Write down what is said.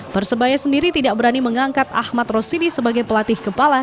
persebaya sendiri tidak berani mengangkat ahmad rosidi sebagai pelatih kepala